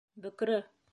Бөкрө!